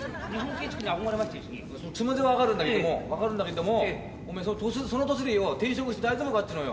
気持ちは分かるんだけども分かるんだけどもその年でよ転職して大丈夫かってのよ。